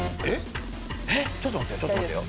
ちょっと待ってよちょっと待ってよ。